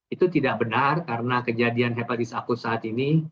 itu tidak benar karena kejadian hepatitis akut saat ini